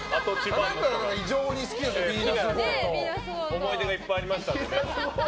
思い出がいっぱいありましたので。